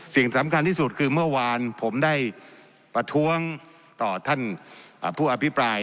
สิ่งสำคัญที่สุดคือเมื่อวานผมได้ประท้วงต่อท่านผู้อภิปราย